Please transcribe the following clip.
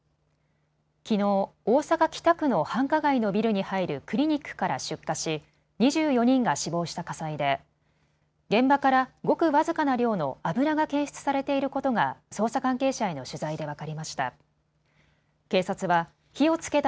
きのう、大阪北区の繁華街のビルに入るクリニックから出火し２４人が死亡した火災で現場からごく僅かな量の油が検出されていることが捜査関係者への取材で分かりました。